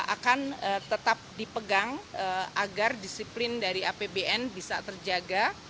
akan tetap dipegang agar disiplin dari apbn bisa terjaga